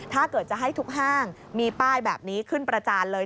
ถ้าเกิดจะให้ทุกห้างมีป้ายแบบนี้ขึ้นประจานเลย